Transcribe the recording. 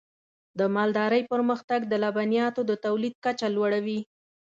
د مالدارۍ پرمختګ د لبنیاتو د تولید کچه لوړوي.